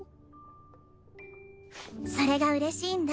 それが嬉しいんだ